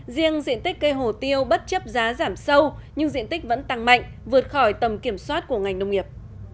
riêng diện tích cây hồ tiêu bất chấp giá giảm sâu nhưng diện tích vẫn tăng mạnh vượt khỏi tầm kiểm soát của ngành nông nghiệp